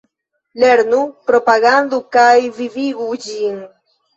Lernu, propagandu kaj vivigu ĝin!